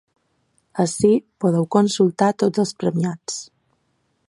Ací podeu consultar tots els premiats.